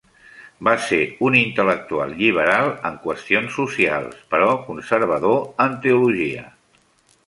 Va ser un intel·lectual lliberal en qüestions socials, però conservador en teologia.